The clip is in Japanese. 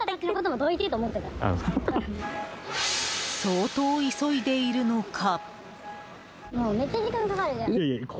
相当急いでいるのか。